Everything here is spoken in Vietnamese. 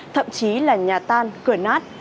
thậm chí là nhà tan cửa nát